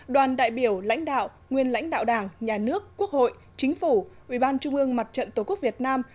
đoàn đại biểu lãnh đạo nguyên lãnh đạo đảng nhà nước quốc hội chính phủ ủy ban trung ương mặt trận tổ quốc việt nam